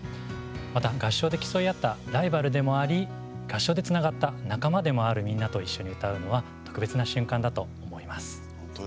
また、合唱で競い合ったライバルでもあり合唱でつながった仲間でもあるみんなと一緒に歌うのは特別な瞬間だと思います。